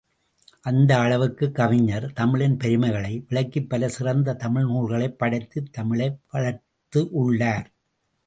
அந்த அளவுக்குக் கவிஞர், தமிழின் பெருமைகளை, விளக்கிப் பல சிறந்த தமிழ் நூல்களைப் படைத்துத் தமிழை வளர்த்து உள்ளார்.